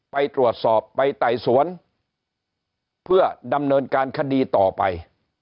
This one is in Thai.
ไปตรวจสอบไปไต่สวนเพื่อดำเนินการคดีต่อไป